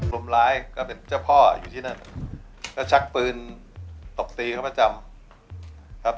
รมร้ายก็เป็นเจ้าพ่ออยู่ที่นั่นก็ชักปืนตบตีเขาประจำครับ